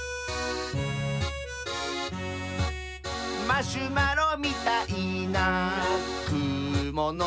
「マシュマロみたいなくものした」